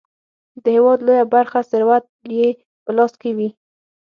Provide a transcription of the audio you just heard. د هیواد لویه برخه ثروت یې په لاس کې وي.